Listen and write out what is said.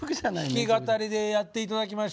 弾き語りでやっていただきまして。